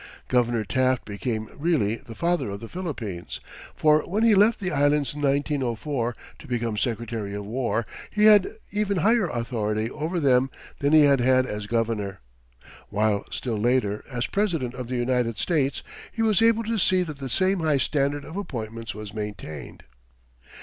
Governor Taft became really the "Father of the Philippines," for when he left the Islands in 1904 to become Secretary of War he had even higher authority over them than he had had as governor, while still later, as President of the United States, he was able to see that the same high standard of appointments was maintained.